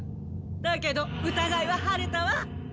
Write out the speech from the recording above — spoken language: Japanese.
だけどうたがいは晴れたわ。